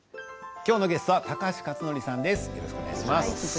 今日のゲストは高橋克典さんです。